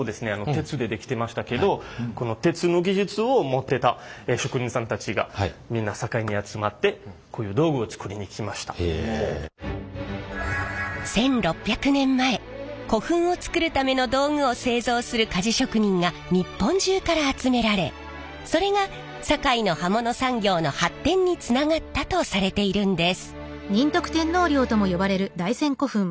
鉄で出来てましたけど１，６００年前古墳をつくるための道具を製造する鍛冶職人が日本中から集められそれが堺の刃物産業の発展につながったとされているんです。